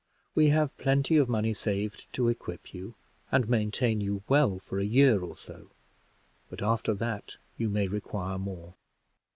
We have plenty of money saved to equip you, and maintain you well for a year or so, but after that you may require more.